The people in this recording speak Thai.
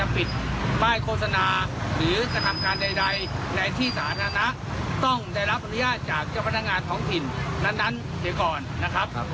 พนักงานของถิ่นนั้นเสียกรนะครับ